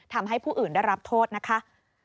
ทำให้ผู้อื่นได้รับโทษนะคะ